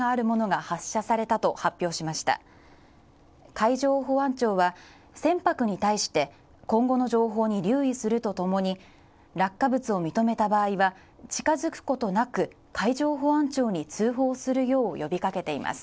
海上保安庁は船舶に対して今後の情報に留意するとともに落下物を認めた場合は近づくことなく、海上保安庁に通報するよう呼びかけています。